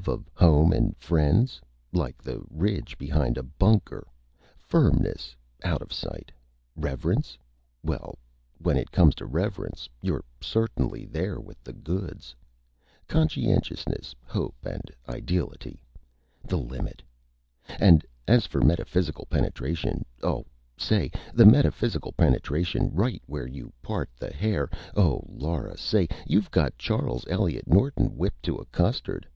Love of Home and Friends like the ridge behind a Bunker! Firmness out of sight! Reverence well, when it comes to Reverence, you're certainly There with the Goods! Conscientiousness, Hope, and Ideality the Limit! And as for Metaphysical Penetration oh, Say, the Metaphysical Penetration, right where you part the Hair oh, Laura! Say, you've got Charles Eliot Norton whipped to a Custard.